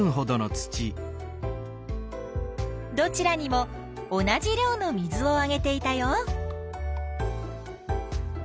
どちらにも同じ量の水をあげていたよ。